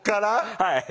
はい。